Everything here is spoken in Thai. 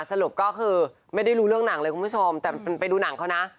สรุปก็คือไม่ได้รู้เรื่องหนังเลยคุณผู้ชมแต่ไปดูหนังเขานะ